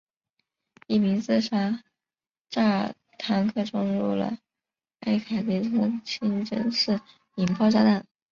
一名自杀炸弹客冲入了艾卡迪村清真寺引爆炸弹。